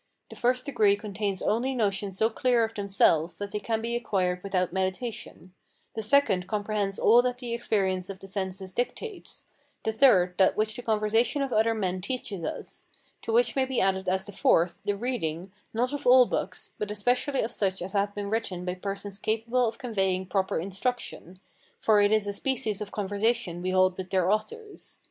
The first degree contains only notions so clear of themselves that they can be acquired without meditation; the second comprehends all that the experience of the senses dictates; the third, that which the conversation of other men teaches us; to which may be added as the fourth, the reading, not of all books, but especially of such as have been written by persons capable of conveying proper instruction, for it is a species of conversation we hold with their authors.